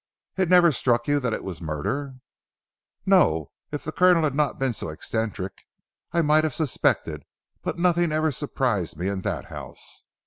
"It never struck you that it was murder?" "No! If the Colonel had not been so eccentric I might have suspected, but nothing ever surprised me in that house.